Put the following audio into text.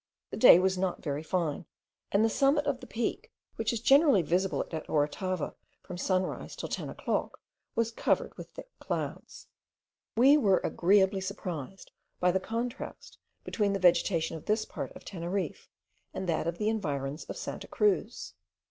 The day was not very fine, and the summit of the peak, which is generally visible at Orotava from sunrise till ten o'clock, was covered with thick clouds. We were agreeably surprised by the contrast between the vegetation of this part of Teneriffe, and that of the environs of Santa Cruz.